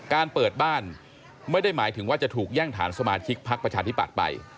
การเปิดบ้านไม่ได้หมายถึงว่าจะถูกแย่งฐานสมาชิกพักประชาธิปัตย์ไป